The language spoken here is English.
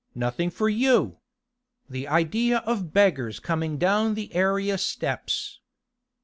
'Nothing for you! The idea of beggars coming down the area steps.